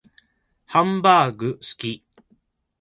ハンバーグ好き